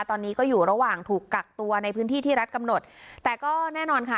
ตอนนี้ก็อยู่ระหว่างถูกกักตัวในพื้นที่ที่รัฐกำหนดแต่ก็แน่นอนค่ะ